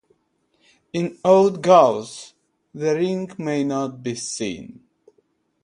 In old galls the ring may not be seen.